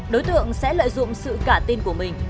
đối tượng sẽ lợi dụng sự cả tin của mình